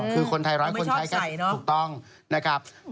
คือคนไทยร้อยคนใช้แค่ถูกต้องนะครับไม่ชอบใส่นะ